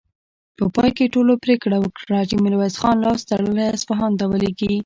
په پای کې ټولو پرېکړه وکړه چې ميرويس خان لاس تړلی اصفهان ته ولېږي.